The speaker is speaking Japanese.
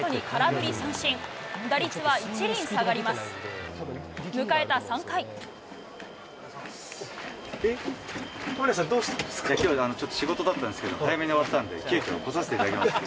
亀梨さん、どうしたんきょう、ちょっと仕事だったんですけど、早めに終わったんで、急きょ、来させていただきました。